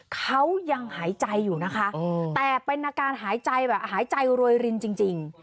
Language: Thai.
เขายังหายใจอยู่นะคะแต่เป็นอาการหายใจแบบหายใจรวยรินจริง